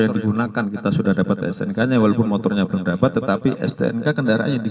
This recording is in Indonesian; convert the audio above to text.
di last day pengunjung dari teks slide